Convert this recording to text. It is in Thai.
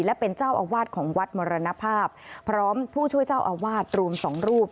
และเป็นเจ้าอาวาสของวัดมรณภาพพร้อมผู้ช่วยเจ้าอาวาสรวมสองรูป